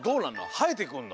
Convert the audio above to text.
はえてくんの？